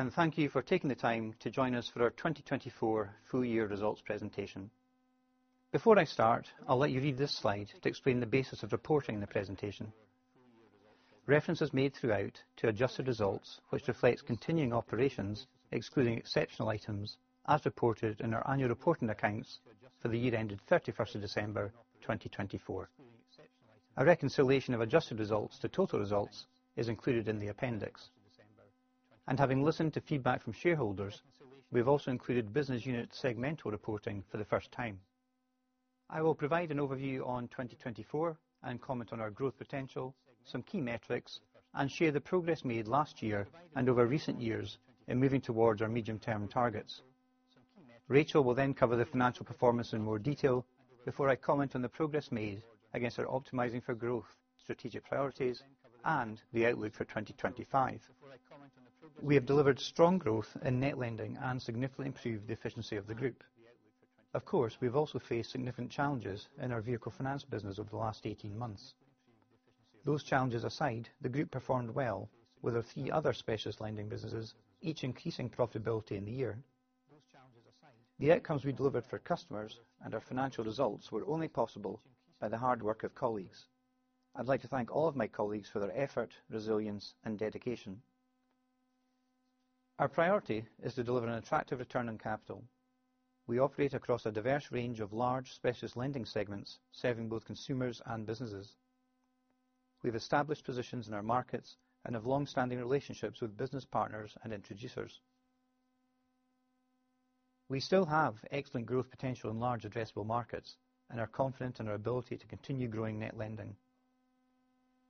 Hello, and thank you for taking the time to join us for our 2024 full-year results presentation. Before I start, I'll let you read this slide to explain the basis of reporting the presentation. Reference is made throughout to adjusted results, which reflects continuing operations, excluding exceptional items, as reported in our annual reporting accounts for the year ended 31st of December 2024. A reconciliation of adjusted results to total results is included in the appendix. Having listened to feedback from shareholders, we've also included business unit segmental reporting for the first time. I will provide an overview on 2024 and comment on our growth potential, some key metrics, and share the progress made last year and over recent years in moving towards our medium-term targets. Rachel will then cover the financial performance in more detail before I comment on the progress made against our optimizing for growth strategic priorities and the outlook for 2025. We have delivered strong growth in net lending and significantly improved the efficiency of the group. Of course, we've also faced significant challenges in our Vehicle Finance business over the last 18 months. Those challenges aside, the group performed well with our three other specialist lending businesses, each increasing profitability in the year. The outcomes we delivered for customers and our financial results were only possible by the hard work of colleagues. I'd like to thank all of my colleagues for their effort, resilience, and dedication. Our priority is to deliver an attractive return on capital. We operate across a diverse range of large specialist lending segments serving both consumers and businesses. We've established positions in our markets and have long-standing relationships with business partners and introducers. We still have excellent growth potential in large addressable markets and are confident in our ability to continue growing net lending.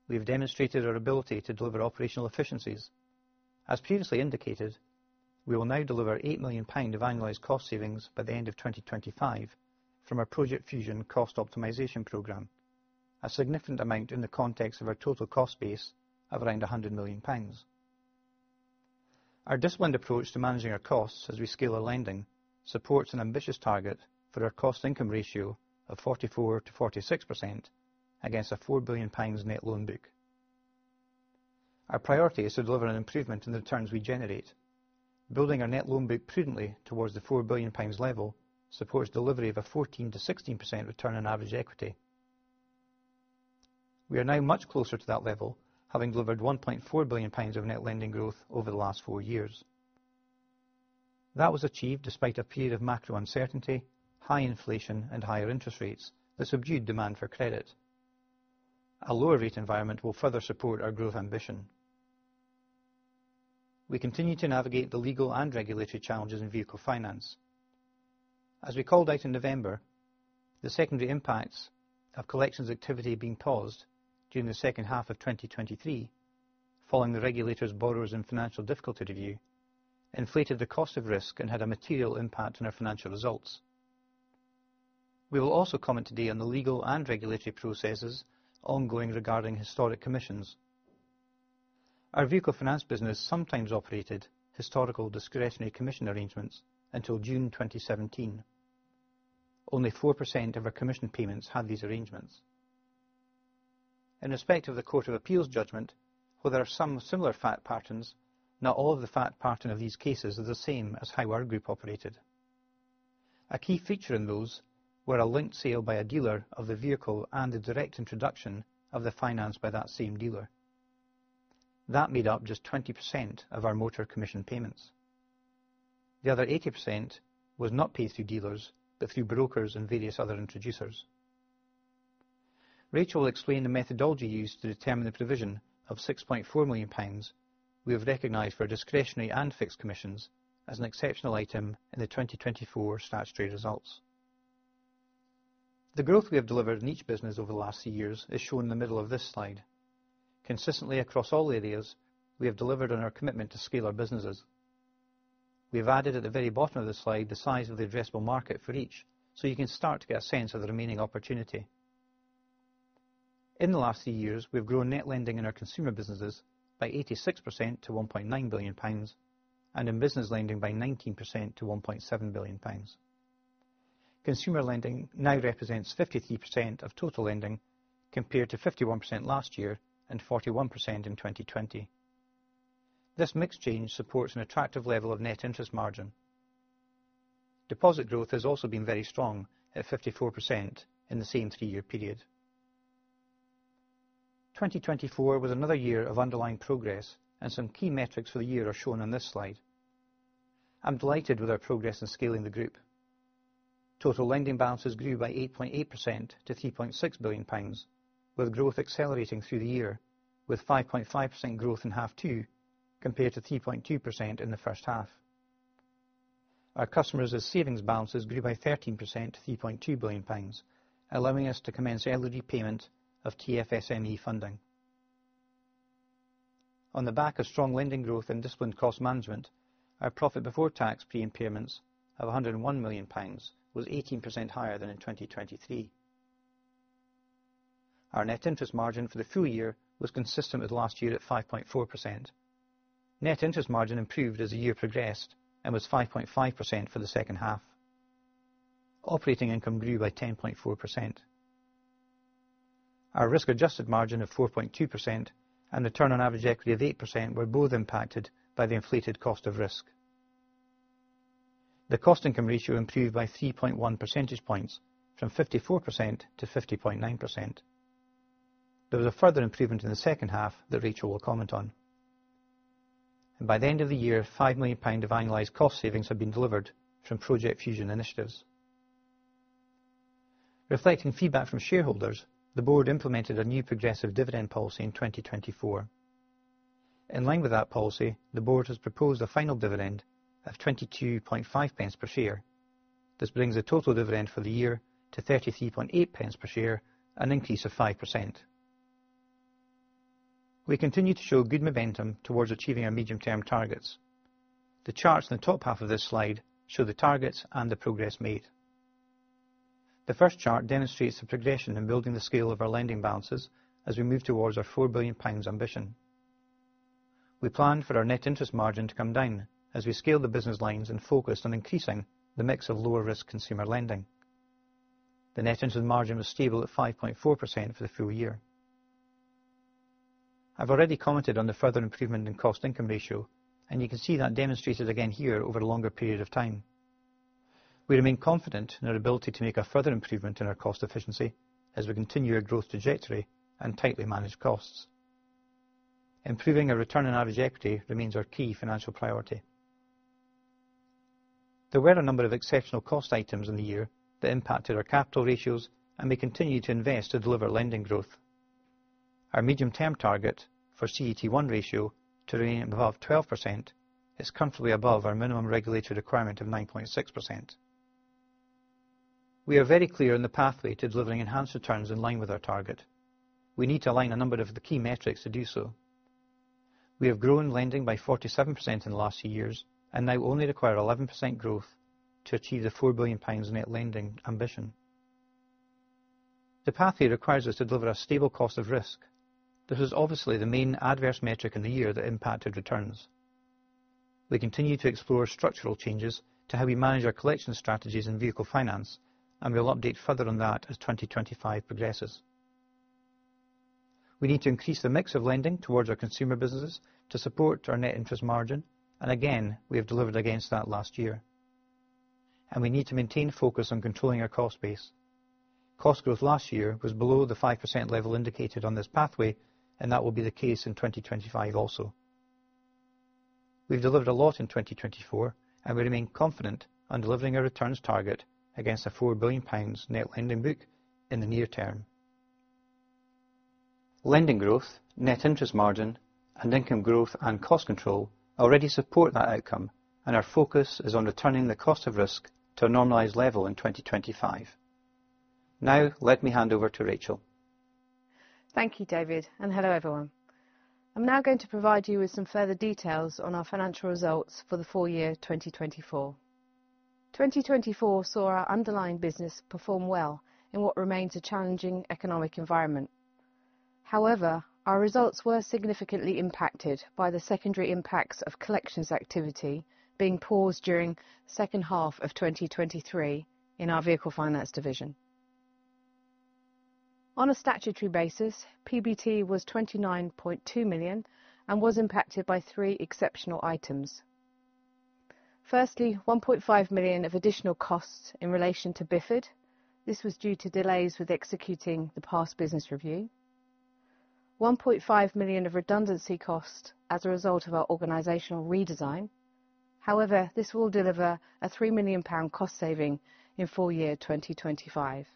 We've demonstrated our ability to deliver operational efficiencies. As previously indicated, we will now deliver 8 million pound of annualized cost savings by the end of 2025 from our Project Fusion cost optimization program, a significant amount in the context of our total cost base of around 100 million pounds. Our disciplined approach to managing our costs as we scale our lending supports an ambitious target for our cost-to-income ratio of 44%-46% against a 4 billion pounds net loan book. Our priority is to deliver an improvement in the returns we generate. Building our net loan book prudently towards the 4 billion pounds level supports delivery of a 14%-16% return on average equity. We are now much closer to that level, having delivered GBP 1.4 billion of net lending growth over the last four years. That was achieved despite a period of macro uncertainty, high inflation, and higher interest rates that subdued demand for credit. A lower rate environment will further support our growth ambition. We continue to navigate the legal and regulatory challenges in Vehicle Finance. As we called out in November, the secondary impacts of collections activity being paused during the second half of 2023, following the Regulator's borrowers in financial difficulty review, inflated the cost of risk and had a material impact on our financial results. We will also comment today on the legal and regulatory processes ongoing regarding historic commissions. Our Vehicle Finance business sometimes operated historical discretionary commission arrangements until June 2017. Only 4% of our commission payments had these arrangements. In respect of the Court of Appeals judgment, while there are some similar fact patterns, not all of the fact pattern of these cases is the same as how our group operated. A key feature in those were a linked sale by a dealer of the vehicle and a direct introduction of the finance by that same dealer. That made up just 20% of our motor commission payments. The other 80% was not paid through dealers, but through brokers and various other introducers. Rachel will explain the methodology used to determine the provision of 6.4 million pounds we have recognized for our discretionary and fixed commissions as an exceptional item in the 2024 statutory results. The growth we have delivered in each business over the last three years is shown in the middle of this slide. Consistently across all areas, we have delivered on our commitment to scale our businesses. We've added at the very bottom of the slide the size of the addressable market for each, so you can start to get a sense of the remaining opportunity. In the last three years, we've grown net lending in our consumer businesses by 86% to 1.9 billion pounds and in business lending by 19% to 1.7 billion pounds. Consumer lending now represents 53% of total lending compared to 51% last year and 41% in 2020. This mixed change supports an attractive level of net interest margin. Deposit growth has also been very strong at 54% in the same three-year period. 2024 was another year of underlying progress, and some key metrics for the year are shown on this slide. I'm delighted with our progress in scaling the group. Total lending balances grew by 8.8% to 3.6 billion pounds, with growth accelerating through the year, with 5.5% growth in half two compared to 3.2% in the first half. Our customers' savings balances grew by 13% to 3.2 billion pounds, allowing us to commence early repayment of TFSME funding. On the back of strong lending growth and disciplined cost management, our profit before tax pre-impairments of GBP 101 million was 18% higher than in 2023. Our net interest margin for the full year was consistent with last year at 5.4%. Net interest margin improved as the year progressed and was 5.5% for the second half. Operating income grew by 10.4%. Our risk-adjusted margin of 4.2% and the return on average equity of 8% were both impacted by the inflated cost of risk. The cost-to-income ratio improved by 3.1 percentage points from 54% to 50.9%. There was a further improvement in the second half that Rachel will comment on. By the end of the year, 5 million pounds of annualized cost savings had been delivered from Project Fusion initiatives. Reflecting feedback from shareholders, the Board implemented a new progressive dividend policy in 2024. In line with that policy, the Board has proposed a final dividend of 22.50 per share. This brings the total dividend for the year to 33.80 per share, an increase of 5%. We continue to show good momentum towards achieving our medium-term targets. The charts in the top half of this slide show the targets and the progress made. The first chart demonstrates the progression in building the scale of our lending balances as we move towards our 4 billion pounds ambition. We planned for our net interest margin to come down as we scaled the business lines and focused on increasing the mix of lower-risk consumer lending. The net interest margin was stable at 5.4% for the full year. I've already commented on the further improvement in cost-to-income ratio, and you can see that demonstrated again here over a longer period of time. We remain confident in our ability to make a further improvement in our cost efficiency as we continue our growth trajectory and tightly manage costs. Improving our return on average equity remains our key financial priority. There were a number of exceptional cost items in the year that impacted our capital ratios, and we continue to invest to deliver lending growth. Our medium-term target for CET1 ratio to remain above 12% is comfortably above our minimum regulatory requirement of 9.6%. We are very clear on the pathway to delivering enhanced returns in line with our target. We need to align a number of the key metrics to do so. We have grown lending by 47% in the last two years and now only require 11% growth to achieve the 4 billion pounds net lending ambition. The pathway requires us to deliver a stable cost of risk. This was obviously the main adverse metric in the year that impacted returns. We continue to explore structural changes to how we manage our collections strategies in Vehicle Finance, and we'll update further on that as 2025 progresses. We need to increase the mix of lending towards our consumer businesses to support our net interest margin, and again, we have delivered against that last year. We need to maintain focus on controlling our cost base. Cost growth last year was below the 5% level indicated on this pathway, and that will be the case in 2025 also. We have delivered a lot in 2024, and we remain confident on delivering our returns target against a 4 billion pounds net lending book in the near term. Lending growth, net interest margin, and income growth and cost control already support that outcome, and our focus is on returning the cost of risk to a normalized level in 2025. Now, let me hand over to Rachel. Thank you, David, and hello, everyone. I'm now going to provide you with some further details on our financial results for the full year, 2024. 2024 saw our underlying business perform well in what remains a challenging economic environment. However, our results were significantly impacted by the secondary impacts of collections activity being paused during the second half of 2023 in our Vehicle Finance division. On a statutory basis, PBT was 29.2 million and was impacted by three exceptional items. Firstly, 1.5 million of additional costs in relation to BiFD. This was due to delays with executing the past business review. 1.5 million of redundancy costs as a result of our organizational redesign. However, this will deliver a 3 million pound cost saving in full year 2025.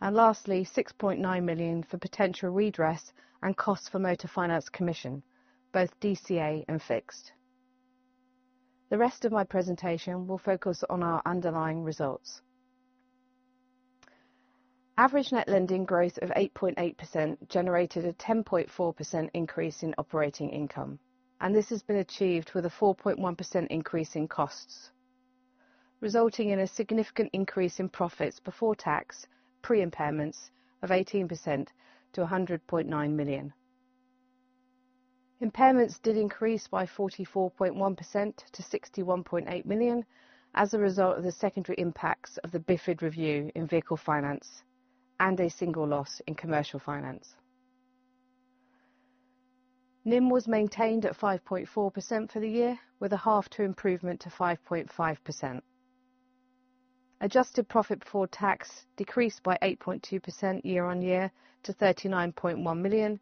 Lastly, 6.9 million for potential redress and costs for motor finance commission, both DCA and fixed. The rest of my presentation will focus on our underlying results. Average net lending growth of 8.8% generated a 10.4% increase in operating income, and this has been achieved with a 4.1% increase in costs, resulting in a significant increase in profits before tax pre-impairments of 18% to 100.9 million. Impairments did increase by 44.1% to 61.8 million as a result of the secondary impacts of the BiFD review in Vehicle Finance and a single loss in Commercial Finance. NIM was maintained at 5.4% for the year, with a half two improvement to 5.5%. Adjusted profit before tax decreased by 8.2% year-on-year to 39.1 million,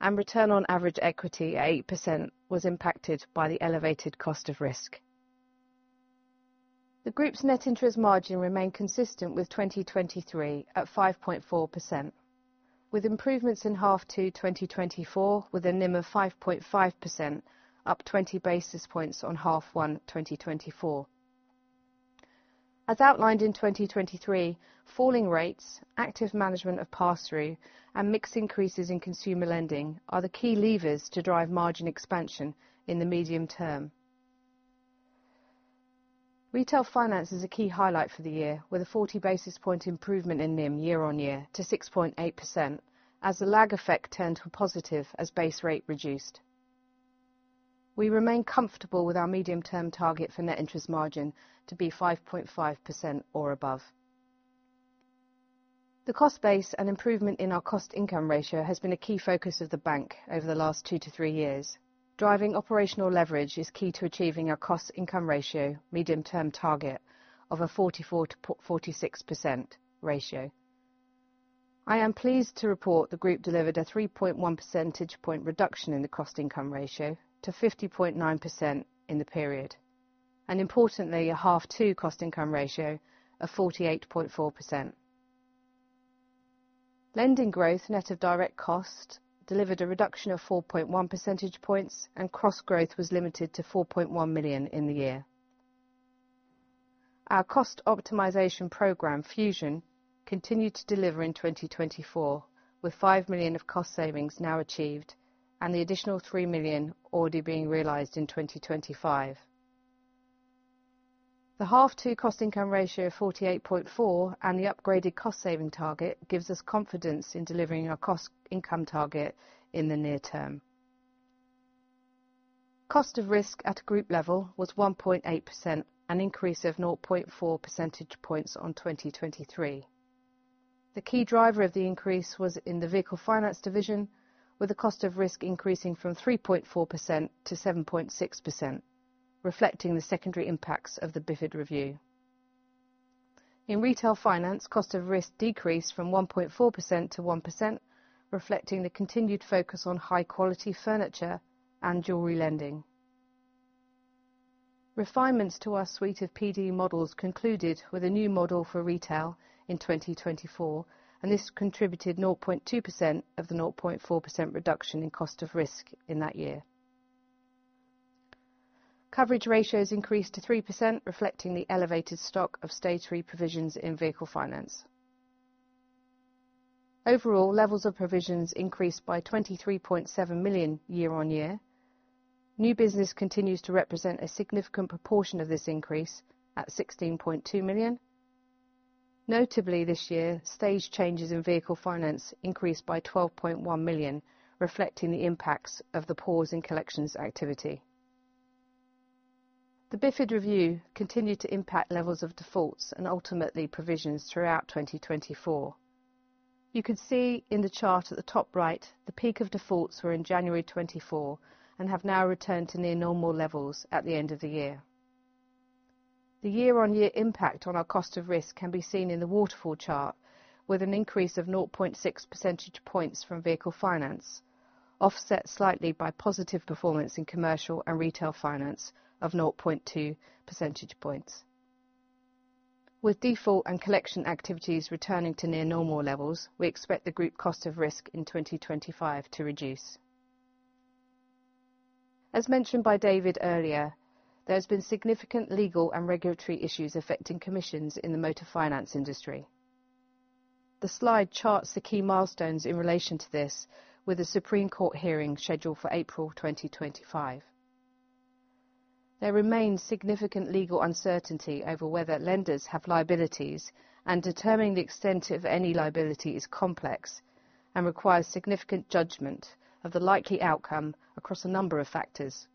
and return on average equity at 8% was impacted by the elevated cost of risk. The group's net interest margin remained consistent with 2023 at 5.4%, with improvements in half two 2024, with a NIM of 5.5%, up 20 basis points on half one 2024. As outlined in 2023, falling rates, active management of pass-through, and mixed increases in consumer lending are the key levers to drive margin expansion in the medium term. Retail Finance is a key highlight for the year, with a 40 basis point improvement in NIM year-on-year to 6.8%, as the lag effect turned to a positive as base rate reduced. We remain comfortable with our medium-term target for net interest margin to be 5.5% or above. The cost base and improvement in our cost-to-income ratio has been a key focus of the bank over the last two to three years. Driving operational leverage is key to achieving our cost-to-income ratio medium-term target of a 44$-46% ratio. I am pleased to report the group delivered a 3.1 percentage point reduction in the cost-to-income ratio to 50.9% in the period, and importantly, a half two cost-to-income ratio of 48.4%. Lending growth net of direct cost delivered a reduction of 4.1 percentage points, and cost growth was limited to 4.1 million in the year. Our cost optimization program, Fusion, continued to deliver in 2024, with 5 million of cost savings now achieved and the additional 3 million already being realized in 2025. The half two cost-to-income ratio of 48.4% and the upgraded cost saving target gives us confidence in delivering our cost-to-income target in the near term. Cost of risk at a group level was 1.8%, an increase of 0.4 percentage points on 2023. The key driver of the increase was in the Vehicle Finance division, with the cost of risk increasing from 3.4% to 7.6%, reflecting the secondary impacts of the BiFD review. In Retail Finance, cost of risk decreased from 1.4% to 1%, reflecting the continued focus on high-quality furniture and jewelry lending. Refinements to our suite of PD models concluded with a new model for retail in 2024, and this contributed 0.2% of the 0.4% reduction in cost of risk in that year. Coverage ratios increased to 3%, reflecting the elevated stock of stage three provisions in Vehicle Finance. Overall, levels of provisions increased by 23.7 million year-on-year. New business continues to represent a significant proportion of this increase at 16.2 million. Notably, this year, stage changes in Vehicle Finance increased by 12.1 million, reflecting the impacts of the pause in collections activity. The BiFD review continued to impact levels of defaults and ultimately provisions throughout 2024. You can see in the chart at the top right, the peak of defaults were in January 2024 and have now returned to near normal levels at the end of the year. The year-on-year impact on our cost of risk can be seen in the waterfall chart, with an increase of 0.6 percentage points from Vehicle Finance, offset slightly by positive performance in commercial and Retail Finance of 0.2 percentage points. With default and collection activities returning to near normal levels, we expect the group cost of risk in 2025 to reduce. As mentioned by David earlier, there have been significant legal and regulatory issues affecting commissions in the motor finance industry. The slide charts the key milestones in relation to this, with a Supreme Court hearing scheduled for April 2025. There remains significant legal uncertainty over whether lenders have liabilities, and determining the extent of any liability is complex and requires significant judgment of the likely outcome across a number of factors.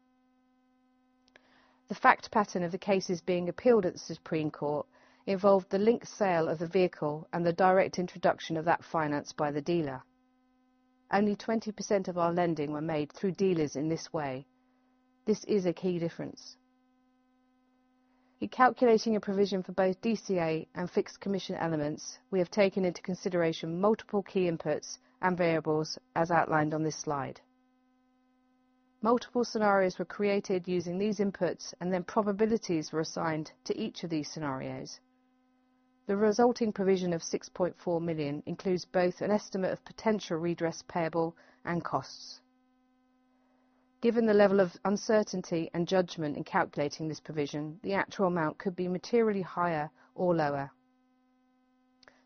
The fact pattern of the cases being appealed at the Supreme Court involved the link sale of the vehicle and the direct introduction of that finance by the dealer. Only 20% of our lending were made through dealers in this way. This is a key difference. In calculating a provision for both DCA and fixed commission elements, we have taken into consideration multiple key inputs and variables as outlined on this slide. Multiple scenarios were created using these inputs, and then probabilities were assigned to each of these scenarios. The resulting provision of 6.4 million includes both an estimate of potential redress payable and costs. Given the level of uncertainty and judgment in calculating this provision, the actual amount could be materially higher or lower.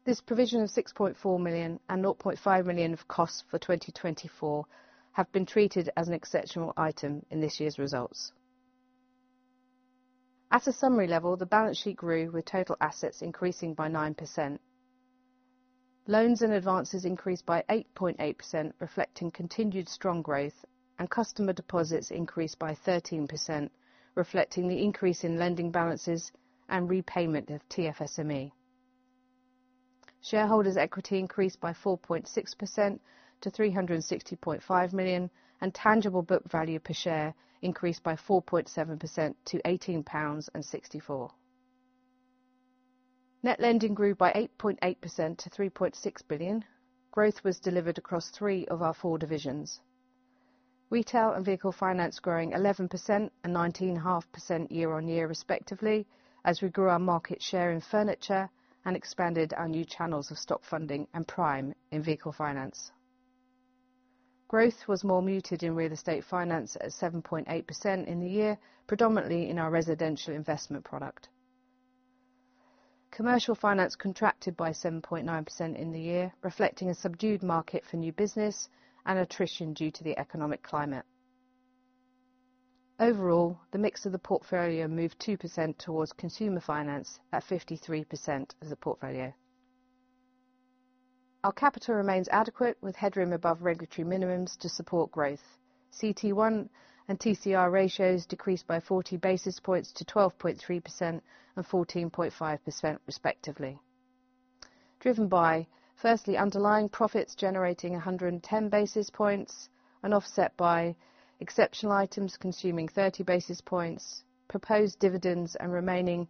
This provision of 6.4 million and 0.5 million of costs for 2024 have been treated as an exceptional item in this year's results. At a summary level, the balance sheet grew, with total assets increasing by 9%. Loans and advances increased by 8.8%, reflecting continued strong growth, and customer deposits increased by 13%, reflecting the increase in lending balances and repayment of TFSME. Shareholders' equity increased by 4.6% to 360.5 million, and tangible book value per share increased by 4.7% to 18.64 pounds. Net lending grew by 8.8% to 3.6 billion. Growth was delivered across three of our four divisions. Retail and Vehicle Finance grew 11% and 19.5% year-on-year, respectively, as we grew our market share in furniture and expanded our new channels of stock funding and prime in Vehicle Finance. Growth was more muted in Real Estate Finance at 7.8% in the year, predominantly in our residential investment product. Commercial Finance contracted by 7.9% in the year, reflecting a subdued market for new business and attrition due to the economic climate. Overall, the mix of the portfolio moved 2% towards consumer finance at 53% of the portfolio. Our capital remains adequate, with headroom above regulatory minimums to support growth. CET1 and TCR ratios decreased by 40 basis points to 12.3% and 14.5%, respectively, driven by, firstly, underlying profits generating 110 basis points, an offset by exceptional items consuming 30 basis points, proposed dividends and remaining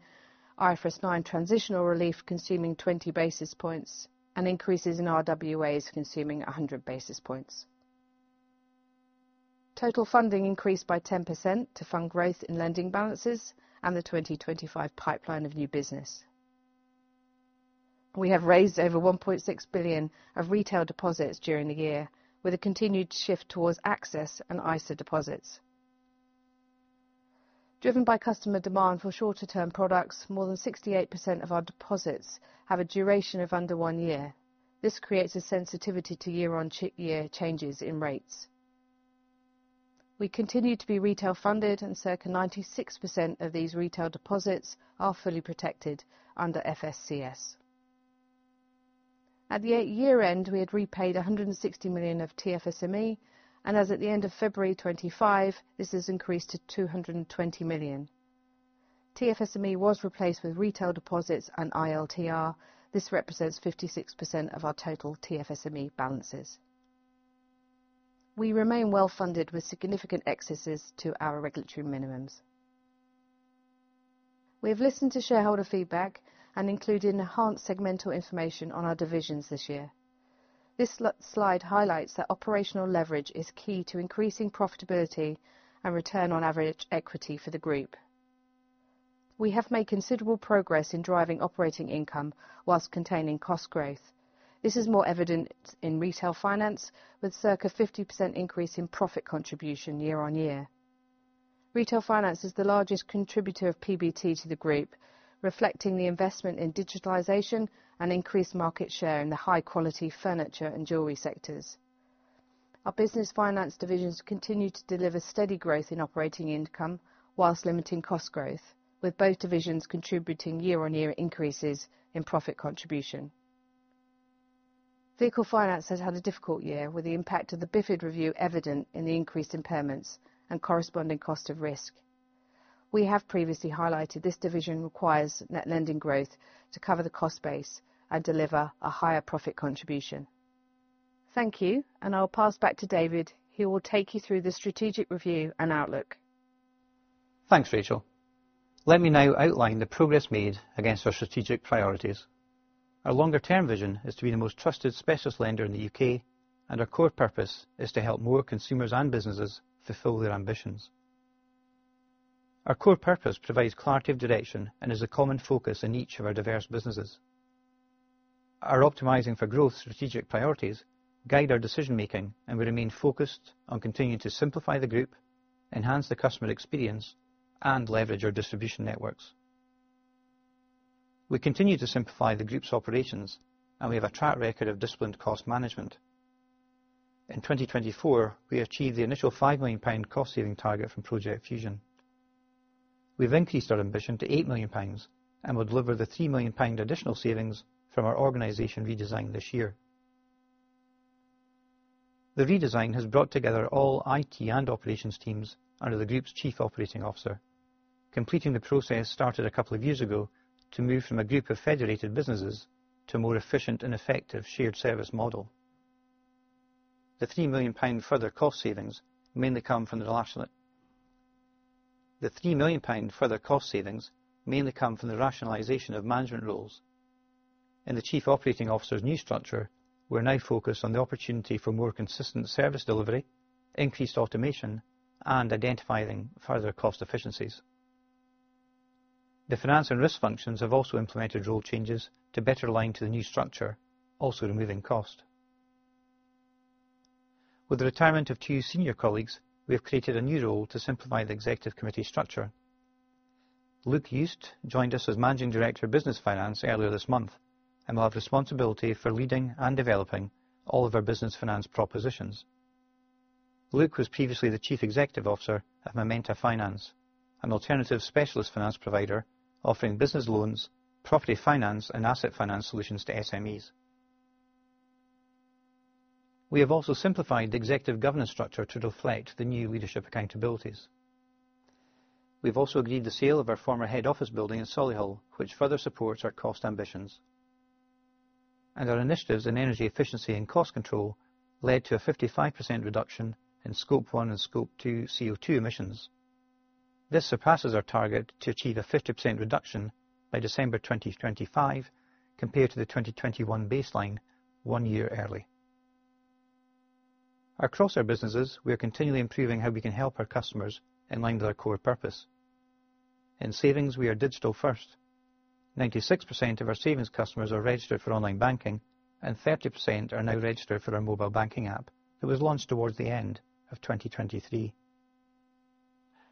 IFRS 9 transitional relief consuming 20 basis points, and increases in RWAs consuming 100 basis points. Total funding increased by 10% to fund growth in lending balances and the 2025 pipeline of new business. We have raised over 1.6 billion of retail deposits during the year, with a continued shift towards access and ISA deposits. Driven by customer demand for shorter-term products, more than 68% of our deposits have a duration of under one year. This creates a sensitivity to year-on-year changes in rates. We continue to be retail funded, and circa 96% of these retail deposits are fully protected under FSCS. At the eight-year end, we had repaid 160 million of TFSME, and as at the end of February 2025, this has increased to 220 million. TFSME was replaced with retail deposits and ILTR. This represents 56% of our total TFSME balances. We remain well funded, with significant excesses to our regulatory minimums. We have listened to shareholder feedback and included enhanced segmental information on our divisions this year. This slide highlights that operational leverage is key to increasing profitability and return on average equity for the group. We have made considerable progress in driving operating income whilst containing cost growth. This is more evident in Retail Finance, with circa 50% increase in profit contribution year-on-year. Retail Finance is the largest contributor of PBT to the group, reflecting the investment in digitalization and increased market share in the high-quality furniture and jewelry sectors. Our business finance divisions continue to deliver steady growth in operating income whilst limiting cost growth, with both divisions contributing year-on-year increases in profit contribution. Vehicle Finance has had a difficult year, with the impact of the BiFD review evident in the increased impairments and corresponding cost of risk. We have previously highlighted this division requires net lending growth to cover the cost base and deliver a higher profit contribution. Thank you, and I'll pass back to David, who will take you through the strategic review and outlook. Thanks, Rachel. Let me now outline the progress made against our strategic priorities. Our longer-term vision is to be the most trusted, specialist lender in the U.K., and our core purpose is to help more consumers and businesses fulfill their ambitions. Our core purpose provides clarity of direction and is a common focus in each of our diverse businesses. Our optimizing for growth strategic priorities guide our decision-making, and we remain focused on continuing to simplify the group, enhance the customer experience, and leverage our distribution networks. We continue to simplify the group's operations, and we have a track record of disciplined cost management. In 2024, we achieved the initial 5 million pound cost saving target from Project Fusion. We've increased our ambition to 8 million pounds and will deliver the 3 million pound additional savings from our organization redesign this year. The redesign has brought together all IT and operations teams under the group's Chief Operating Officer, completing the process started a couple of years ago to move from a group of federated businesses to a more efficient and effective shared service model. The 3 million pound further cost savings mainly come from the rationale. The 3 million pound further cost savings mainly come from the rationalization of management roles. In the Chief Operating Officer's new structure, we're now focused on the opportunity for more consistent service delivery, increased automation, and identifying further cost efficiencies. The finance and risk functions have also implemented role changes to better align to the new structure, also removing cost. With the retirement of two senior colleagues, we have created a new role to simplify the executive committee structure. Luke Hughes joined us as Managing Director of Business Finance earlier this month and will have responsibility for leading and developing all of our business finance propositions. Luke was previously the Chief Executive Officer at Momenta Finance, an alternative specialist finance provider offering business loans, property finance, and asset finance solutions to SMEs. We have also simplified the executive governance structure to reflect the new leadership accountabilities. We've also agreed the sale of our former head office building at Solihull, which further supports our cost ambitions. Our initiatives in energy efficiency and cost control led to a 55% reduction in Scope 1 and Scope 2 CO2 emissions. This surpasses our target to achieve a 50% reduction by December 2025 compared to the 2021 baseline one year early. Across our businesses, we are continually improving how we can help our customers in line with our core purpose. In savings, we are digital first. 96% of our savings customers are registered for online banking, and 30% are now registered for our mobile banking app that was launched towards the end of 2023.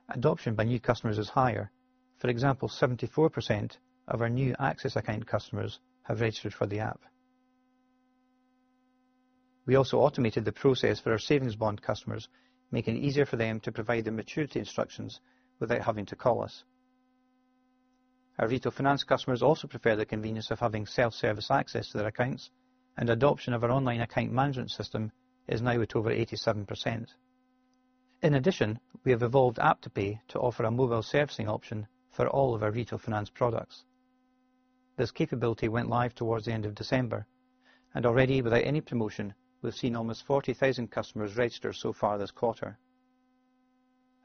Adoption by new customers is higher. For example, 74% of our new access account customers have registered for the app. We also automated the process for our savings bond customers, making it easier for them to provide the maturity instructions without having to call us. Our Retail Finance customers also prefer the convenience of having self-service access to their accounts, and adoption of our online account management system is now at over 87%. In addition, we have evolved AppToPay to offer a mobile servicing option for all of our Retail Finance products. This capability went live towards the end of December, and already, without any promotion, we've seen almost 40,000 customers registered so far this quarter.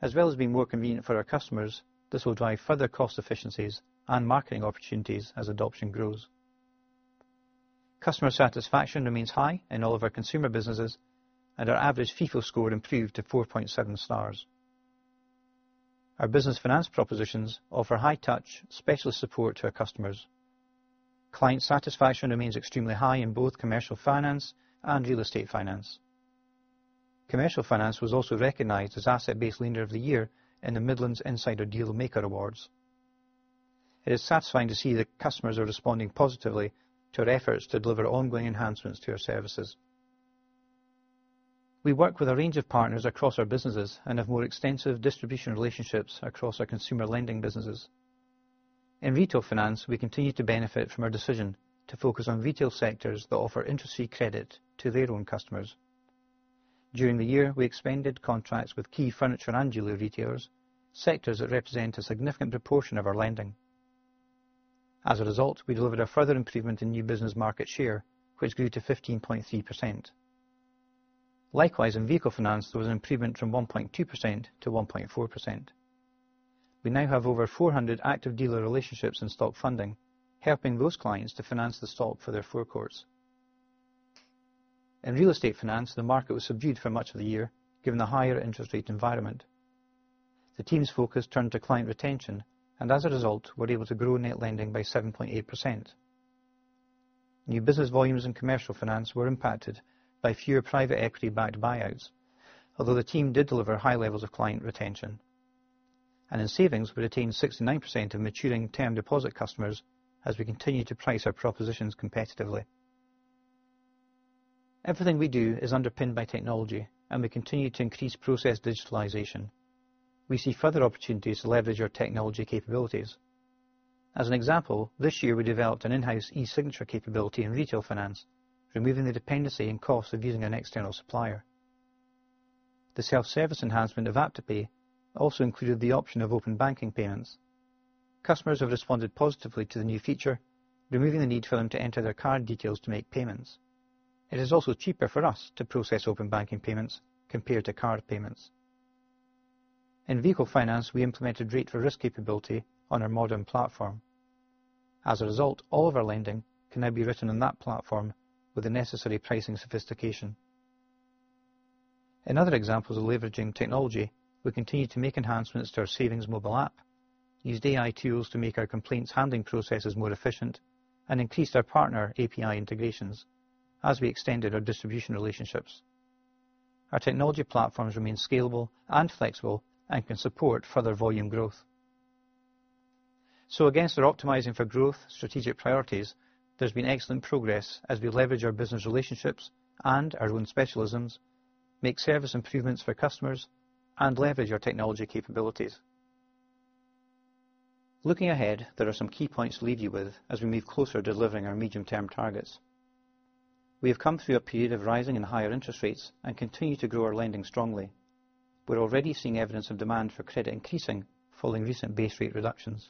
As well as being more convenient for our customers, this will drive further cost efficiencies and marketing opportunities as adoption grows. Customer satisfaction remains high in all of our consumer businesses, and our average Feefo score improved to 4.7 stars. Our business finance propositions offer high-touch, specialist support to our customers. Client satisfaction remains extremely high in both Commercial Finance and Real Estate Finance. Commercial Finance was also recognized as Asset-Based Lender of the Year in the Midlands Insider Dealmaker Awards. It is satisfying to see that customers are responding positively to our efforts to deliver ongoing enhancements to our services. We work with a range of partners across our businesses and have more extensive distribution relationships across our consumer lending businesses. In Retail Finance, we continue to benefit from our decision to focus on retail sectors that offer interest-free credit to their own customers. During the year, we expanded contracts with key furniture and jewelry retailers, sectors that represent a significant proportion of our lending. As a result, we delivered a further improvement in new business market share, which grew to 15.3%. Likewise, in Vehicle Finance, there was an improvement from 1.2% to 1.4%. We now have over 400 active dealer relationships in stock funding, helping those clients to finance the stock for their forecourts. In Real Estate Finance, the market was subdued for much of the year, given the higher interest rate environment. The team's focus turned to client retention, and as a result, we were able to grow net lending by 7.8%. New business volumes in Commercial Finance were impacted by fewer private equity-backed buyouts, although the team did deliver high levels of client retention. In savings, we retained 69% of maturing term deposit customers as we continue to price our propositions competitively. Everything we do is underpinned by technology, and we continue to increase process digitalization. We see further opportunities to leverage our technology capabilities. As an example, this year we developed an in-house e-signature capability in Retail Finance, removing the dependency and cost of using an external supplier. The self-service enhancement of AppToPay also included the option of open banking payments. Customers have responded positively to the new feature, removing the need for them to enter their card details to make payments. It is also cheaper for us to process open banking payments compared to card payments. In Vehicle Finance, we implemented rate-for-risk capability on our modern platform. As a result, all of our lending can now be written on that platform with the necessary pricing sophistication. In other examples of leveraging technology, we continued to make enhancements to our savings mobile app, used AI tools to make our complaints handling processes more efficient, and increased our partner API integrations as we extended our distribution relationships. Our technology platforms remain scalable and flexible and can support further volume growth. Against our optimizing for growth strategic priorities, there's been excellent progress as we leverage our business relationships and our own specialisms, make service improvements for customers, and leverage our technology capabilities. Looking ahead, there are some key points to leave you with as we move closer to delivering our medium-term targets. We have come through a period of rising and higher interest rates and continue to grow our lending strongly. We're already seeing evidence of demand for credit increasing following recent base rate reductions.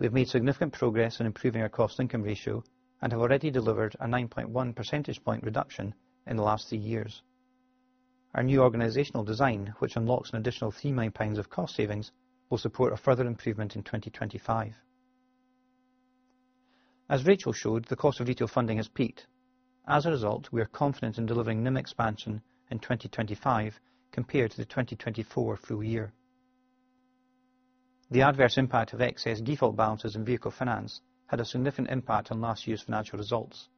We've made significant progress in improving our cost income ratio and have already delivered a 9.1 percentage point reduction in the last three years. Our new organizational design, which unlocks an additional 3 million pounds of cost savings, will support a further improvement in 2025. As Rachel showed, the cost of retail funding has peaked. As a result, we are confident in delivering NIM expansion in 2025 compared to the 2024 full year. The adverse impact of excess default balances in Vehicle Finance had a significant impact on last year's financial results.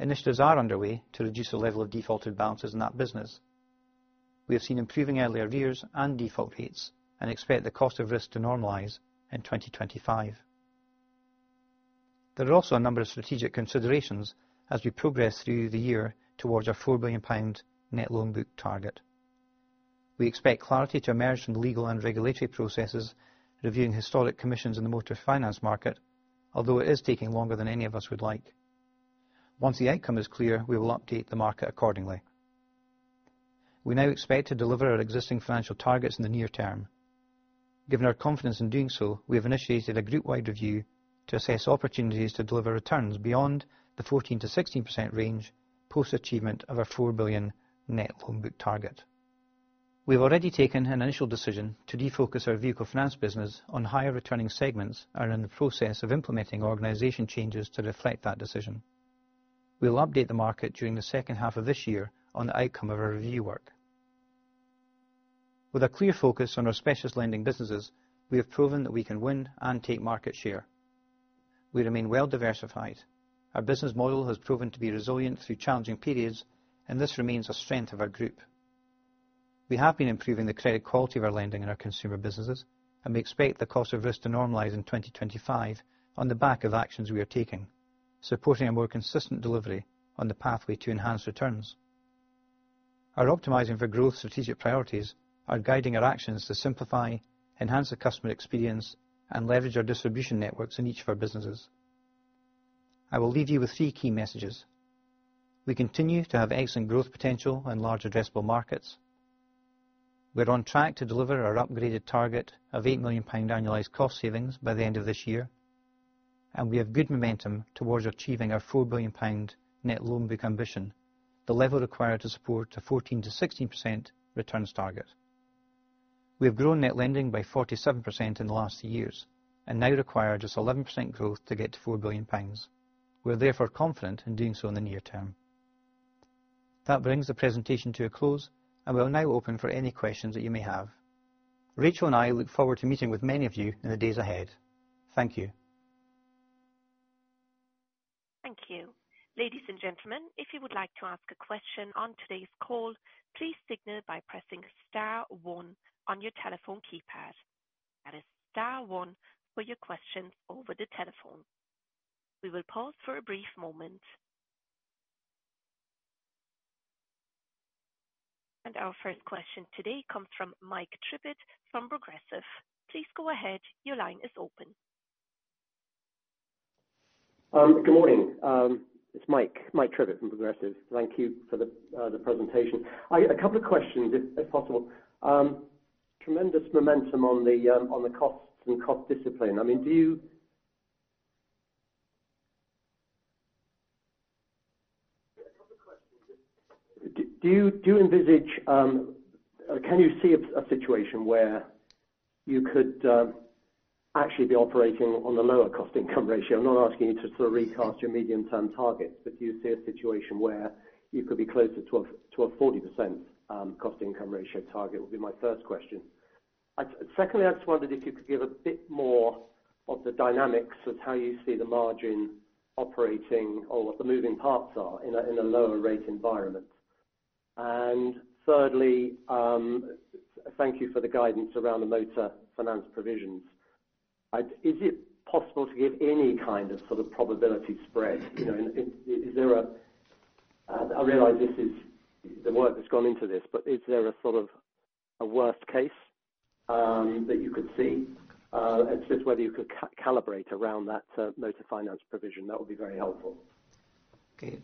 Initiatives are underway to reduce the level of defaulted balances in that business. We have seen improving earlier years and default rates and expect the cost of risk to normalize in 2025. There are also a number of strategic considerations as we progress through the year towards our 4 billion pound net loan book target. We expect clarity to emerge from legal and regulatory processes, reviewing historic commissions in the motor finance market, although it is taking longer than any of us would like. Once the outcome is clear, we will update the market accordingly. We now expect to deliver our existing financial targets in the near term. Given our confidence in doing so, we have initiated a group-wide review to assess opportunities to deliver returns beyond the 14%-16% range post-achievement of our 4 billion net loan book target. We've already taken an initial decision to refocus our Vehicle Finance business on higher returning segments and are in the process of implementing organization changes to reflect that decision. We'll update the market during the second half of this year on the outcome of our review work. With a clear focus on our specialist lending businesses, we have proven that we can win and take market share. We remain well diversified. Our business model has proven to be resilient through challenging periods, and this remains a strength of our group. We have been improving the credit quality of our lending and our consumer businesses, and we expect the cost of risk to normalize in 2025 on the back of actions we are taking, supporting a more consistent delivery on the pathway to enhanced returns. Our optimizing for growth strategic priorities are guiding our actions to simplify, enhance the customer experience, and leverage our distribution networks in each of our businesses. I will leave you with three key messages. We continue to have excellent growth potential in large addressable markets. We are on track to deliver our upgraded target of 8 million pound annualized cost savings by the end of this year, and we have good momentum towards achieving our 4 billion pound net loan book ambition, the level required to support a 14%-16% returns target. We have grown net lending by 47% in the last three years and now require just 11% growth to get to 4 billion pounds. We're therefore confident in doing so in the near term. That brings the presentation to a close, and we'll now open for any questions that you may have. Rachel and I look forward to meeting with many of you in the days ahead. Thank you. Thank you. Ladies and gentlemen, if you would like to ask a question on today's call, please signal by pressing star one on your telephone keypad. That is star one for your questions over the telephone. We will pause for a brief moment. Our first question today comes from Mike Trippitt from Progressive. Please go ahead. Your line is open. Good morning. It's Mike, Mike Trippitt from Progressive. Thank you for the presentation. A couple of questions, if possible. Tremendous momentum on the costs and cost discipline. I mean, do you envisage, or can you see a situation where you could actually be operating on a lower cost income ratio? I'm not asking you to sort of recast your medium-term targets, but do you see a situation where you could be closer to a 40% cost income ratio target would be my first question. Secondly, I just wondered if you could give a bit more of the dynamics of how you see the margin operating or what the moving parts are in a lower rate environment. Thirdly, thank you for the guidance around the motor finance provisions. Is it possible to give any kind of sort of probability spread? Is there a—I realize this is the work that's gone into this, but is there a sort of worst case that you could see? It's just whether you could calibrate around that motor finance provision. That would be very helpful. Okay.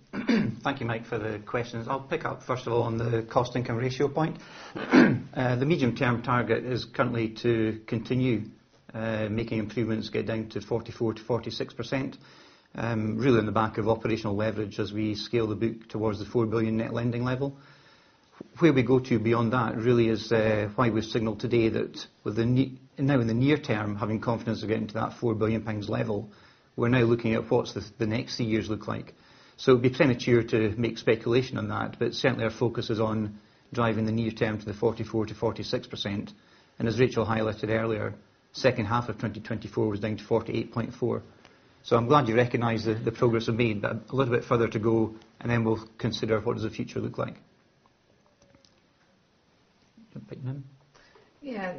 Thank you, Mike, for the questions. I'll pick up, first of all, on the cost income ratio point. The medium-term target is currently to continue making improvements get down to 44%-46%, really on the back of operational leverage as we scale the book towards the 4 billion net lending level. Where we go to beyond that really is why we've signaled today that now in the near term, having confidence of getting to that 4 billion pounds level, we're now looking at what the next three years look like. It would be premature to make speculation on that, but certainly our focus is on driving the near term to the 44%-46%. As Rachel highlighted earlier, the second half of 2024 was down to 48.4%. I'm glad you recognize the progress we've made, but a little bit further to go, and then we'll consider what does the future look like. Yeah.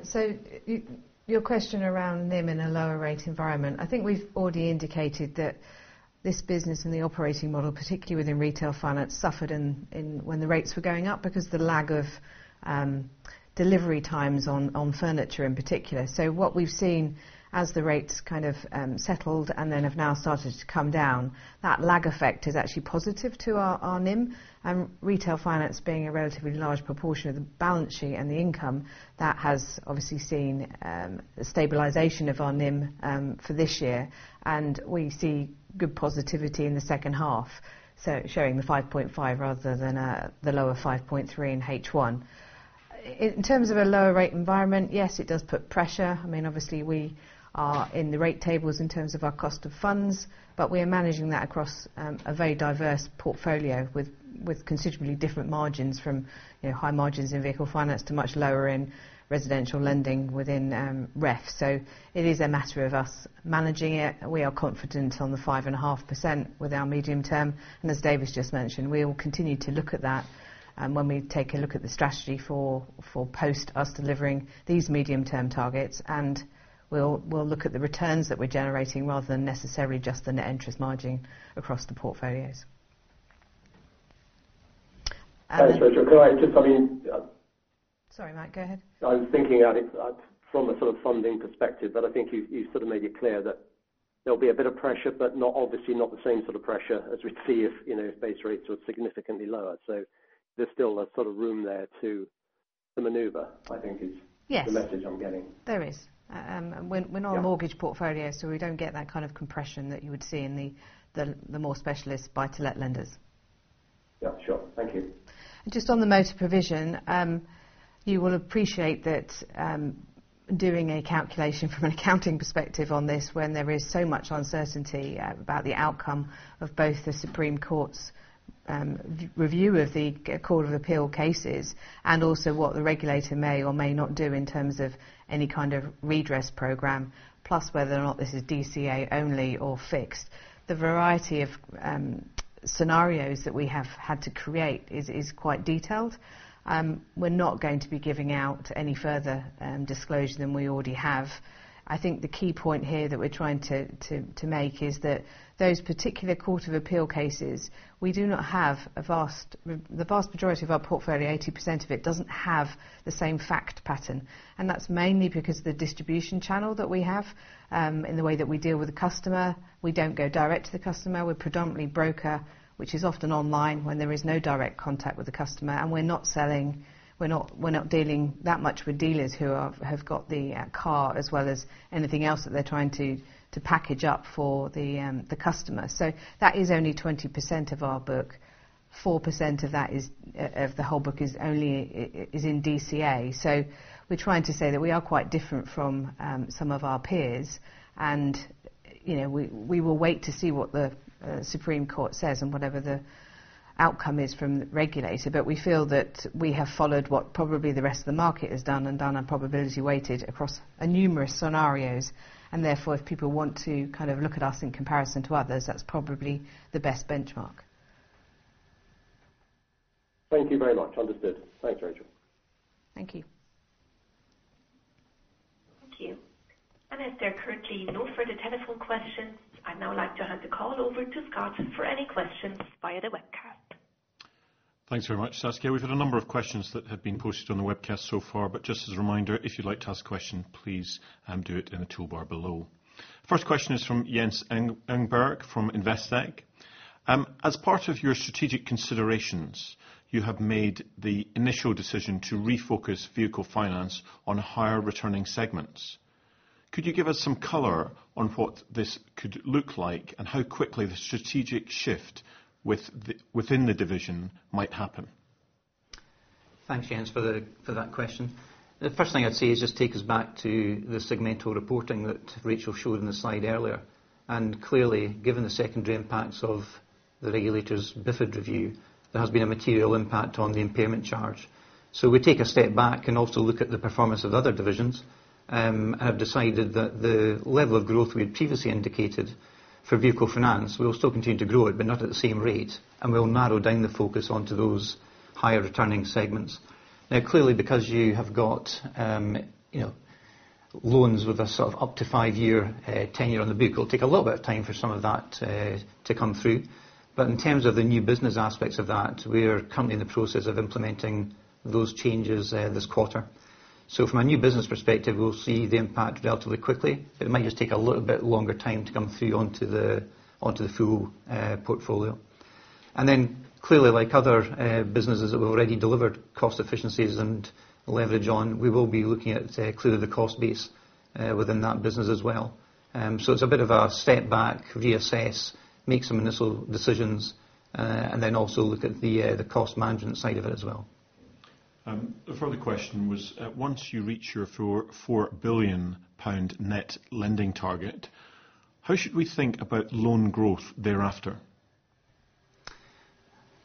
Your question around NIM in a lower rate environment, I think we've already indicated that this business and the operating model, particularly within Retail Finance, suffered when the rates were going up because of the lag of delivery times on furniture in particular. What we've seen as the rates kind of settled and then have now started to come down, that lag effect is actually positive to our NIM, and Retail Finance being a relatively large proportion of the balance sheet and the income, that has obviously seen a stabilization of our NIM for this year. We see good positivity in the second half, showing the 5.5 rather than the lower 5.3 in H1. In terms of a lower rate environment, yes, it does put pressure. I mean, obviously, we are in the rate tables in terms of our cost of funds, but we are managing that across a very diverse portfolio with considerably different margins, from high margins in Vehicle Finance to much lower in residential lending within REF. It is a matter of us managing it. We are confident on the 5.5% with our medium term. As Davies just mentioned, we will continue to look at that when we take a look at the strategy for post us delivering these medium-term targets. We will look at the returns that we are generating rather than necessarily just the net interest margin across the portfolios. Thanks, Rachel. Could I just—I mean Sorry, Mike, go ahead. I was thinking from a sort of funding perspective, but I think you've sort of made it clear that there'll be a bit of pressure, but obviously not the same sort of pressure as we'd see if base rates were significantly lower. There is still a sort of room there to maneuver, I think, is the message I'm getting. There is. We're not a mortgage portfolio, so we don't get that kind of compression that you would see in the more specialist buy-to-let lenders. Yeah. Sure. Thank you. Just on the motor provision, you will appreciate that doing a calculation from an accounting perspective on this when there is so much uncertainty about the outcome of both the Supreme Court's review of the Court of Appeal cases and also what the regulator may or may not do in terms of any kind of redress program, plus whether or not this is DCA only or fixed. The variety of scenarios that we have had to create is quite detailed. We are not going to be giving out any further disclosure than we already have. I think the key point here that we are trying to make is that those particular Court of Appeal cases, we do not have a vast—the vast majority of our portfolio, 80% of it, does not have the same fact pattern. That is mainly because of the distribution channel that we have in the way that we deal with the customer. We do not go direct to the customer. We are predominantly broker, which is often online when there is no direct contact with the customer. We are not selling—we are not dealing that much with dealers who have got the car as well as anything else that they are trying to package up for the customer. That is only 20% of our book. 4% of the whole book is in DCA. We are trying to say that we are quite different from some of our peers. We will wait to see what the Supreme Court says and whatever the outcome is from the regulator. We feel that we have followed what probably the rest of the market has done and done a probability-weighted across numerous scenarios. Therefore, if people want to kind of look at us in comparison to others, that's probably the best benchmark. Thank you very much. Understood. Thanks, Rachel. Thank you. Thank you. As there are currently no further telephone questions, I'd now like to hand the call over to Scott for any questions via the webcast. Thanks very much, Saskia. We've had a number of questions that have been posted on the webcast so far, but just as a reminder, if you'd like to ask a question, please do it in the toolbar below. First question is from Jens Ehrenberg from Investec. As part of your strategic considerations, you have made the initial decision to refocus Vehicle Finance on higher returning segments. Could you give us some color on what this could look like and how quickly the strategic shift within the division might happen? Thanks, Jens, for that question. The first thing I'd say is just take us back to the segmental reporting that Rachel showed in the slide earlier. Clearly, given the secondary impacts of the regulator's BiFD review, there has been a material impact on the impairment charge. We take a step back and also look at the performance of other divisions and have decided that the level of growth we had previously indicated for Vehicle Finance, we will still continue to grow it, but not at the same rate. We will narrow down the focus onto those higher returning segments. Now, clearly, because you have got loans with a sort of up to five-year tenure on the vehicle, it'll take a little bit of time for some of that to come through. In terms of the new business aspects of that, we're currently in the process of implementing those changes this quarter. From a new business perspective, we'll see the impact relatively quickly. It might just take a little bit longer time to come through onto the full portfolio. Clearly, like other businesses that we've already delivered cost efficiencies and leverage on, we will be looking at the cost base within that business as well. It's a bit of a step back, reassess, make some initial decisions, and then also look at the cost management side of it as well. The further question was, once you reach your 4 billion pound net lending target, how should we think about loan growth thereafter?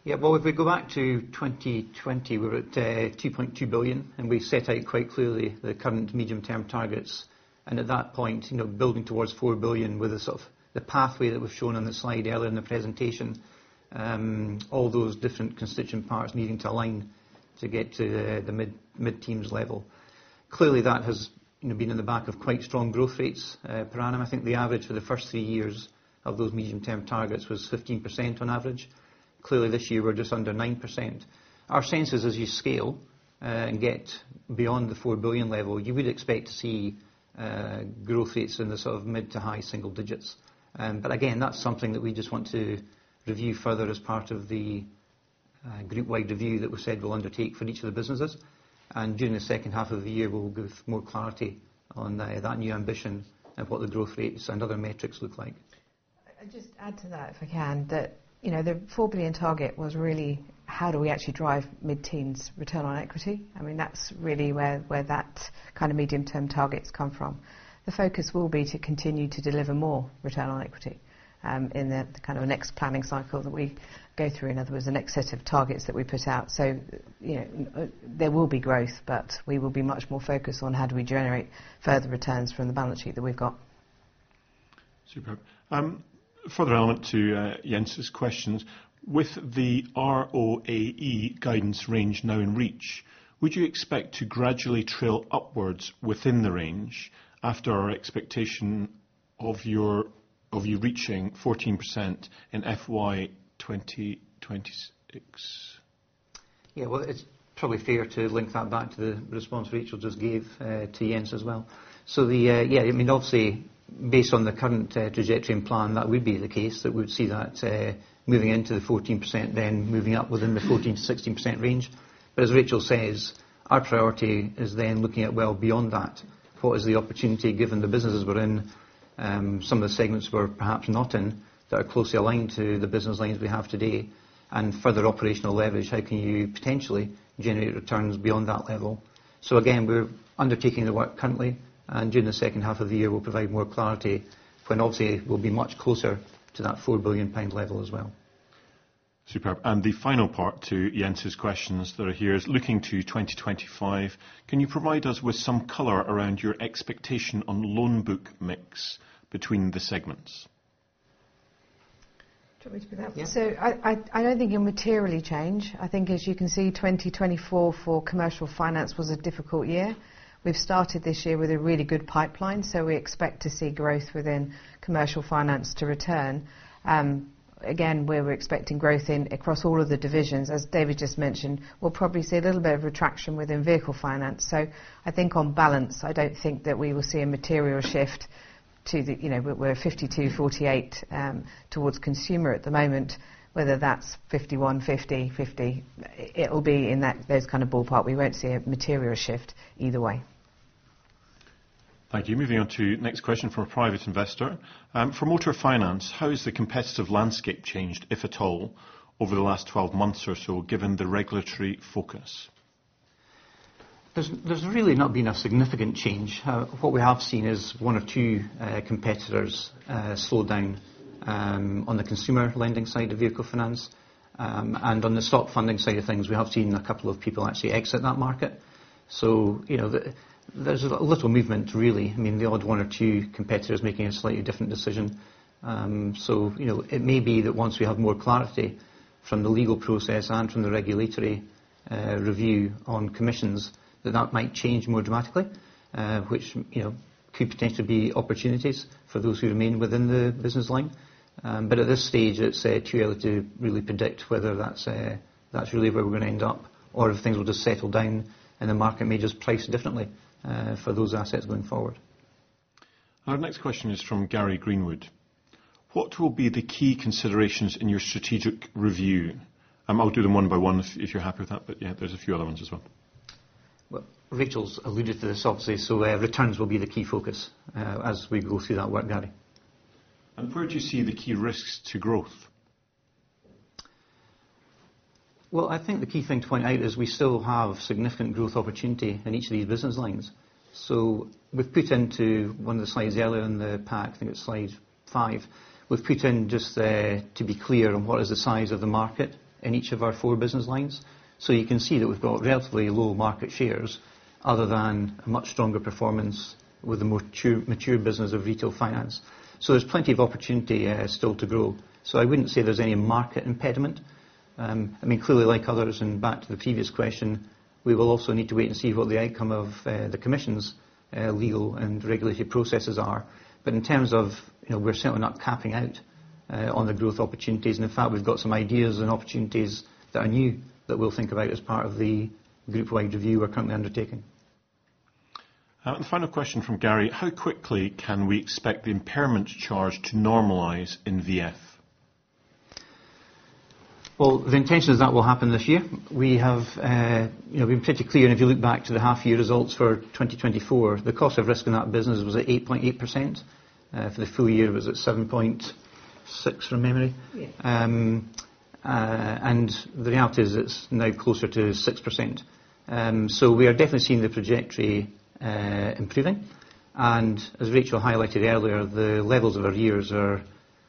Yeah. If we go back to 2020, we were at 2.2 billion, and we set out quite clearly the current medium-term targets. At that point, building towards 4 billion with the pathway that we've shown on the slide earlier in the presentation, all those different constituent parts needing to align to get to the mid-teens level. Clearly, that has been in the back of quite strong growth rates. Per annum, I think the average for the first three years of those medium-term targets was 15% on average. Clearly, this year, we're just under 9%. Our sense is, as you scale and get beyond the 4 billion level, you would expect to see growth rates in the sort of mid to high single digits. Again, that's something that we just want to review further as part of the group-wide review that we said we'll undertake for each of the businesses. During the second half of the year, we'll give more clarity on that new ambition and what the growth rates and other metrics look like. I'll just add to that, if I can, that the 4 billion target was really, how do we actually drive mid-teens return on equity? I mean, that's really where that kind of medium-term targets come from. The focus will be to continue to deliver more return on equity in the kind of next planning cycle that we go through. In other words, the next set of targets that we put out. There will be growth, but we will be much more focused on how do we generate further returns from the balance sheet that we've got. Superb. Further element to Jens's questions. With the ROAE guidance range now in reach, would you expect to gradually trill upwards within the range after our expectation of you reaching 14% in FY 2026? Yeah. It is probably fair to link that back to the response Rachel just gave to Jens as well. Yeah, I mean, obviously, based on the current trajectory and plan, that would be the case, that we would see that moving into the 14%, then moving up within the 14%-16% range. As Rachel says, our priority is then looking at, beyond that, what is the opportunity given the businesses we are in, some of the segments we are perhaps not in that are closely aligned to the business lines we have today, and further operational leverage, how can you potentially generate returns beyond that level? Again, we are undertaking the work currently. During the second half of the year, we'll provide more clarity when, obviously, we'll be much closer to that 4 billion pound level as well. Superb. The final part to Jens's questions that are here is looking to 2025. Can you provide us with some color around your expectation on loan book mix between the segments? Do you want me to be that one? I don't think it'll materially change. I think, as you can see, 2024 for Commercial Finance was a difficult year. We've started this year with a really good pipeline, so we expect to see growth within Commercial Finance to return. Again, where we're expecting growth in across all of the divisions, as David just mentioned, we'll probably see a little bit of retraction within Vehicle Finance. I think on balance, I don't think that we will see a material shift to the—we're 52, 48 towards consumer at the moment. Whether that's 51, 50, 50, it'll be in those kind of ballpark. We won't see a material shift either way. Thank you. Moving on to next question from a private investor. From auto finance, how has the competitive landscape changed, if at all, over the last 12 months or so, given the regulatory focus? There's really not been a significant change. What we have seen is one or two competitors slow down on the consumer lending side of Vehicle Finance. On the stock funding side of things, we have seen a couple of people actually exit that market. There's a little movement, really. I mean, the odd one or two competitors making a slightly different decision. It may be that once we have more clarity from the legal process and from the regulatory review on commissions, that that might change more dramatically, which could potentially be opportunities for those who remain within the business line. At this stage, it's a true element to really predict whether that's really where we're going to end up or if things will just settle down and the market may just price differently for those assets going forward. Our next question is from Gary Greenwood. What will be the key considerations in your strategic review? I'll do them one by one if you're happy with that, but yeah, there's a few other ones as well. Rachel's alluded to this, obviously. Returns will be the key focus as we go through that work, Gary. Where do you see the key risks to growth? I think the key thing to point out is we still have significant growth opportunity in each of these business lines. We have put into one of the slides earlier in the pack, I think it is slide five, we have put in just to be clear on what is the size of the market in each of our four business lines. You can see that we have got relatively low market shares other than a much stronger performance with the more mature business of Retail Finance. There is plenty of opportunity still to grow. I would not say there is any market impediment. I mean, clearly, like others, and back to the previous question, we will also need to wait and see what the outcome of the commission's legal and regulatory processes are. In terms of growth, we are certainly not capping out on the growth opportunities. In fact, we've got some ideas and opportunities that are new that we'll think about as part of the group-wide review we're currently undertaking. Final question from Gary. How quickly can we expect the impairment charge to normalize in VF? The intention is that will happen this year. We've been pretty clear. If you look back to the half-year results for 2024, the cost of risk in that business was at 8.8%. For the full year, it was at 7.6%, from memory. The reality is it's now closer to 6%. We are definitely seeing the trajectory improving. As Rachel highlighted earlier, the levels of arrears are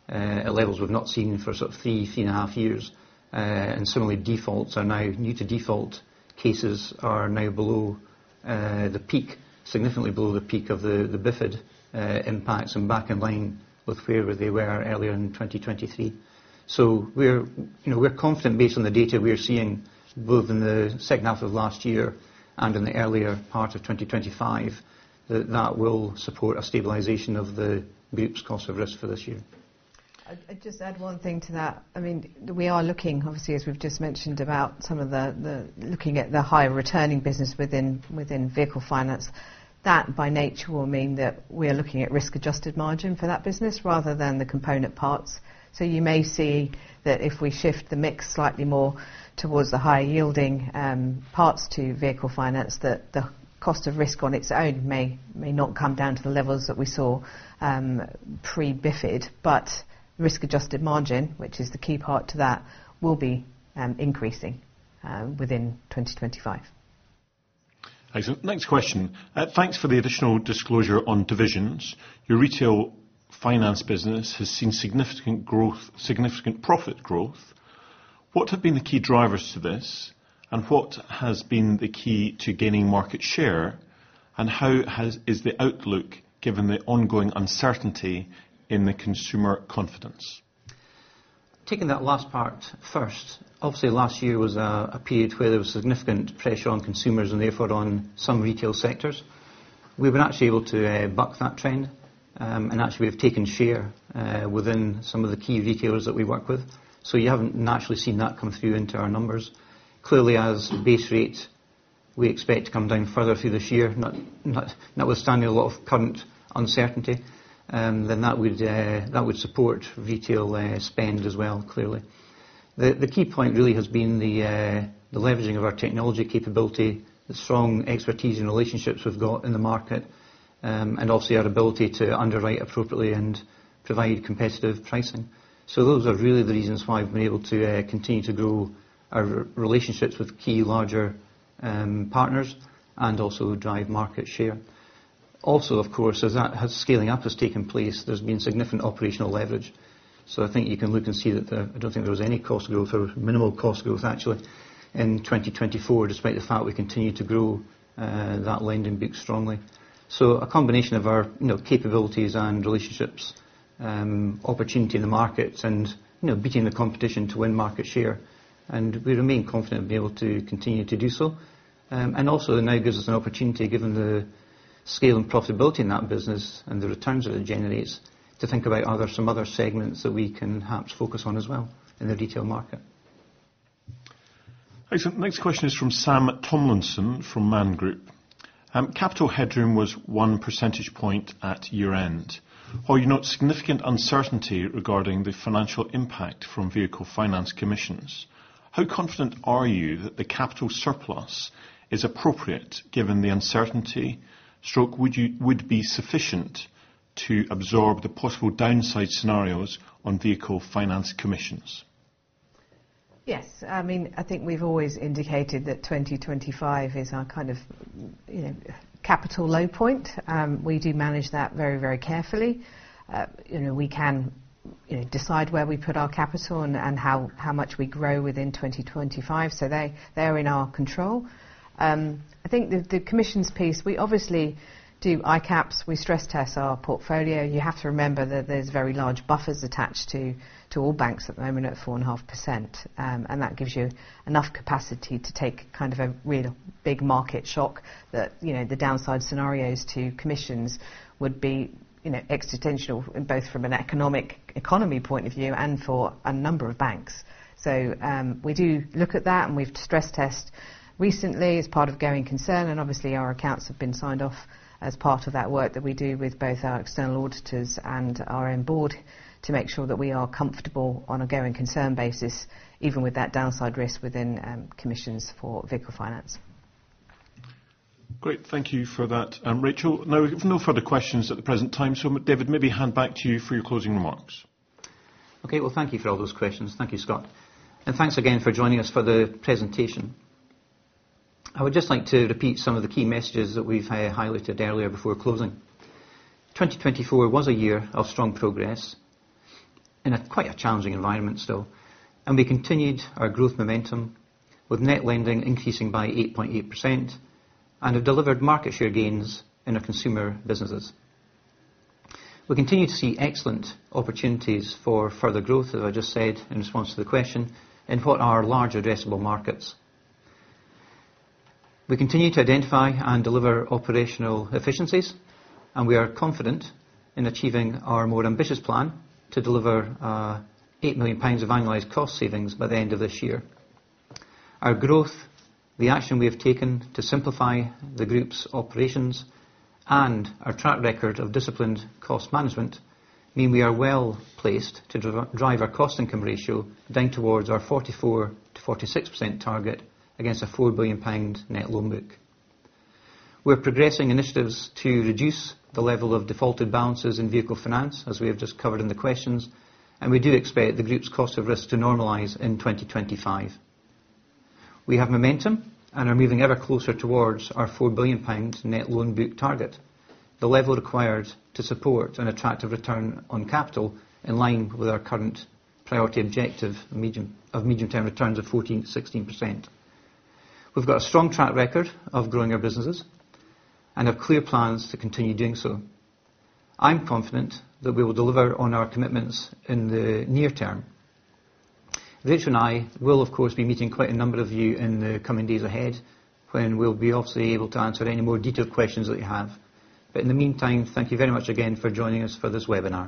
at levels we've not seen for sort of three, three and a half years. Similarly, defaults are now new to default cases are now below the peak, significantly below the peak of the BiFD impacts and back in line with where they were earlier in 2023. We are confident, based on the data we are seeing, both in the second half of last year and in the earlier part of 2025, that that will support a stabilization of the group's cost of risk for this year. I'd just add one thing to that. I mean, we are looking, obviously, as we've just mentioned, about some of the looking at the higher returning business within Vehicle Finance. That, by nature, will mean that we are looking at risk-adjusted margin for that business rather than the component parts. You may see that if we shift the mix slightly more towards the higher yielding parts to Vehicle Finance, the cost of risk on its own may not come down to the levels that we saw pre-BiFD. Risk-adjusted margin, which is the key part to that, will be increasing within 2025. Excellent. Next question. Thanks for the additional disclosure on divisions. Your Retail Finance business has seen significant growth, significant profit growth. What have been the key drivers to this, and what has been the key to gaining market share, and how is the outlook given the ongoing uncertainty in the consumer confidence? Taking that last part first, obviously, last year was a period where there was significant pressure on consumers and therefore on some retail sectors. We've been actually able to buck that trend, and actually, we've taken share within some of the key retailers that we work with. You haven't naturally seen that come through into our numbers. Clearly, as base rate, we expect to come down further through this year, notwithstanding a lot of current uncertainty. That would support retail spend as well, clearly. The key point really has been the leveraging of our technology capability, the strong expertise and relationships we've got in the market, and obviously, our ability to underwrite appropriately and provide competitive pricing. Those are really the reasons why we've been able to continue to grow our relationships with key larger partners and also drive market share. Also, of course, as that scaling up has taken place, there's been significant operational leverage. I think you can look and see that I don't think there was any cost growth or minimal cost growth, actually, in 2024, despite the fact we continue to grow that lending book strongly. A combination of our capabilities and relationships, opportunity in the markets, and beating the competition to win market share. We remain confident we'll be able to continue to do so. It now gives us an opportunity, given the scale and profitability in that business and the returns that it generates, to think about some other segments that we can perhaps focus on as well in the retail market. Excellent. Next question is from Sam Tomlinson from Man Group. Capital headroom was one percentage point at year-end. Are you not significant uncertainty regarding the financial impact from Vehicle Finance commissions? How confident are you that the capital surplus is appropriate given the uncertainty stroke would be sufficient to absorb the possible downside scenarios on Vehicle Finance commissions? Yes. I mean, I think we've always indicated that 2025 is our kind of capital low point. We do manage that very, very carefully. We can decide where we put our capital and how much we grow within 2025. They are in our control. I think the commissions piece, we obviously do ICAAPs. We stress test our portfolio. You have to remember that there are very large buffers attached to all banks at the moment at 4.5%. That gives you enough capacity to take kind of a real big market shock that the downside scenarios to commissions would be existential, both from an economic economy point of view and for a number of banks. We do look at that, and we've stress tested recently as part of going concern. Obviously, our accounts have been signed off as part of that work that we do with both our external auditors and our own Board to make sure that we are comfortable on a going concern basis, even with that downside risk within commissions for Vehicle Finance. Great. Thank you for that, Rachel. No, we have no further questions at the present time. David, maybe hand back to you for your closing remarks. Okay. Thank you for all those questions. Thank you, Scott. Thanks again for joining us for the presentation. I would just like to repeat some of the key messages that we've highlighted earlier before closing. 2024 was a year of strong progress in quite a challenging environment still. We continued our growth momentum with net lending increasing by 8.8% and have delivered market share gains in our consumer businesses. We continue to see excellent opportunities for further growth, as I just said in response to the question, in what are large addressable markets. We continue to identify and deliver operational efficiencies, and we are confident in achieving our more ambitious plan to deliver 8 million pounds of annualized cost savings by the end of this year. Our growth, the action we have taken to simplify the group's operations, and our track record of disciplined cost management mean we are well placed to drive our cost-to-income ratio down towards our 44%-46% target against a 4 billion pound net loan book. We're progressing initiatives to reduce the level of defaulted balances in Vehicle Finance, as we have just covered in the questions. We do expect the group's cost of risk to normalize in 2025. We have momentum and are moving ever closer towards our 4 billion pounds net loan book target, the level required to support an attractive return on capital in line with our current priority objective of medium-term returns of 14%-16%. We have a strong track record of growing our businesses and have clear plans to continue doing so. I am confident that we will deliver on our commitments in the near term. Rachel and I will, of course, be meeting quite a number of you in the coming days ahead when we will be obviously able to answer any more detailed questions that you have. In the meantime, thank you very much again for joining us for this webinar.